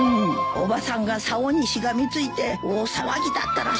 おばさんがさおにしがみついて大騒ぎだったらしいよ。